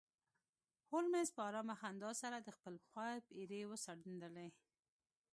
هولمز په ارامه خندا سره د خپل پایپ ایرې وڅنډلې